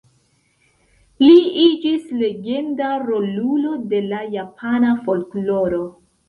Li iĝis legenda rolulo de la japana folkloro.